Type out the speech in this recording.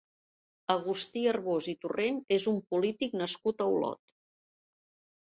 Agustí Arbós i Torrent és un polític nascut a Olot.